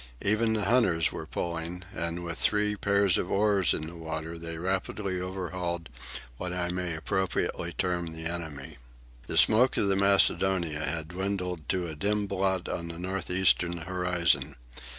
Even the hunters were pulling, and with three pairs of oars in the water they rapidly overhauled what I may appropriately term the enemy. The smoke of the Macedonia had dwindled to a dim blot on the north eastern horizon.